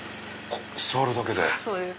座るだけで。